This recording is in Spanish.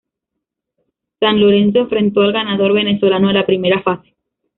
San Lorenzo enfrentó al ganador venezolano de la primera fase.